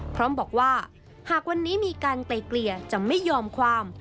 พร้อมบอกว่าหากวันนี้มีการไกลเกลี่ยจะไม่ยอมความ